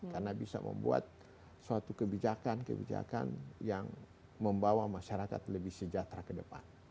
karena bisa membuat suatu kebijakan kebijakan yang membawa masyarakat lebih sejahtera ke depan